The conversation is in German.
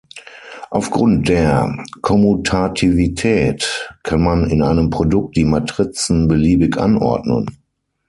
Aufgrund der Kommutativität kann man in einem Produkt die Matrizen beliebig anordnen.